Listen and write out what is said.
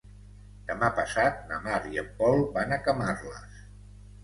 Demà passat na Mar i en Pol van a Camarles.